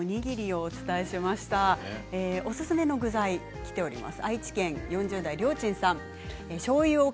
おすすめの具材、きています。